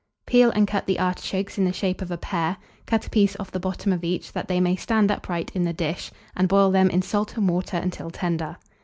Peel and cut the artichokes in the shape of a pear; cut a piece off the bottom of each, that they may stand upright in the dish, and boil them in salt and water until tender.